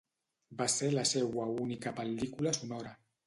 Va ser la seua única pel·lícula sonora.